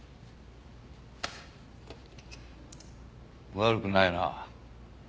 悪くないな。